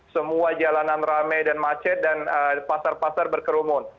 semua jalanan rame dan macet dan pasar pasar berkerumun